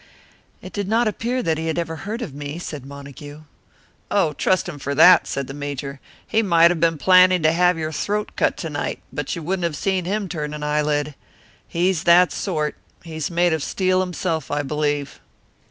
"It did not appear that he had ever heard of me," said Montague. "Oh, trust him for that!" said the Major. "He might have been planning to have your throat cut to night, but you wouldn't have seen him turn an eyelid. He is that sort; he's made of steel himself, I believe."